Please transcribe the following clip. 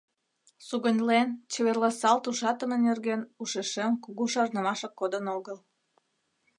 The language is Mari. Сугыньлен, чеверласалт ужатыме нерген ушешем кугу шарнымашак кодын огыл.